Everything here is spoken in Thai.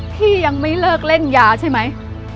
พี่ยังไม่เลิกเล่นยาใช่ไหม